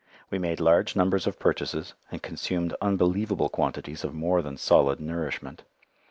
We made large numbers of purchases, and consumed unbelievable quantities of more than solid nourishment.